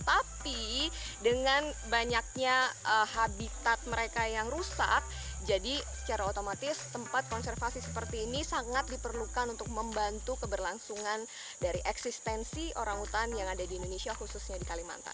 tapi dengan banyaknya habitat mereka yang rusak jadi secara otomatis tempat konservasi seperti ini sangat diperlukan untuk membantu keberlangsungan dari eksistensi orangutan yang ada di indonesia khususnya di kalimantan